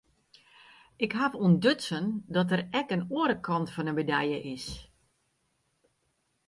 Ik haw ûntdutsen dat der ek in oare kant fan de medalje is.